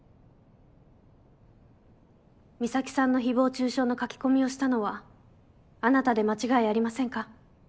美咲さんの誹謗中傷の書き込みをしたのはあなたで間違いありませんか。